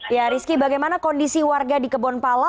ya rizky bagaimana kondisi warga di kebonpala